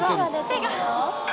手が。